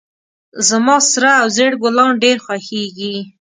زما سره او زیړ ګلان ډیر خوښیږي